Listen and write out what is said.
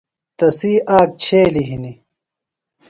تسی آک چھیلیۡ ہِنیۡ۔